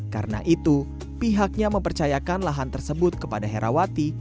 karena itu pihaknya mempercayakan lahan tersebut kepada herawati